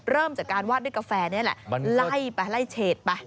เริ่มจากการวาดด้วยกาแฟนี่แหละไล่ไปไล่เฉดไป